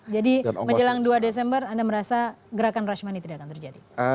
jadi menjelang dua desember anda merasa gerakan rashmani tidak akan terjadi